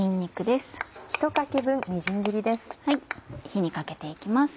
火にかけて行きます。